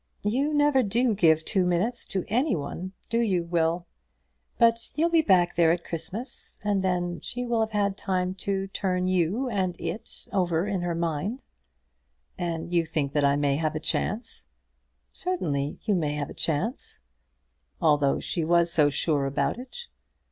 "You never do give two minutes to anyone; do you, Will? But you'll be back there at Christmas, and then she will have had time to turn you and it over in her mind." "And you think that I may have a chance?" "Certainty you may have a chance." "Although she was so sure about it?"